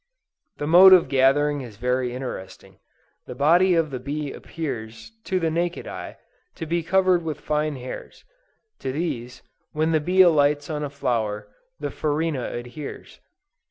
The mode of gathering is very interesting. The body of the bee appears, to the naked eye, to be covered with fine hairs; to these, when the bee alights on a flower, the farina adheres.